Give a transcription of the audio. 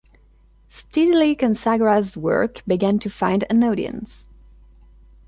Steadily Consagra's work began to find an audience.